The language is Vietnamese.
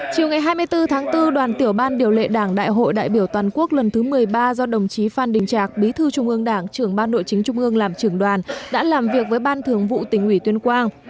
chiều ngày hai mươi bốn tháng bốn đoàn tiểu ban điều lệ đảng đại hội đại biểu toàn quốc lần thứ một mươi ba do đồng chí phan đình trạc bí thư trung ương đảng trưởng ban nội chính trung ương làm trưởng đoàn đã làm việc với ban thường vụ tỉnh ủy tuyên quang